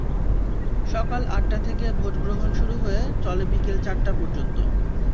সকাল আটটা থেকে ভোট গ্রহণ শুরু হয়ে চলে বিকেল চারটা পর্যন্ত।